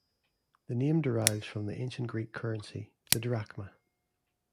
The name derives from the ancient Greek currency the drachma.